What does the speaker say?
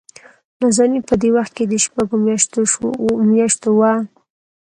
نازنين په دې وخت کې دشپږو مياشتو وه.